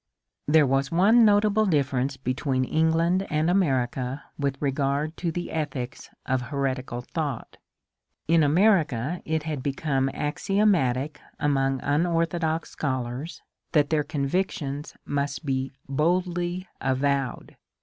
There was one notable difference between England and America with regard to the ethics of heretical thought. In America it had become axiomatic among unorthodox scholars that their convictions must be boldly avowed.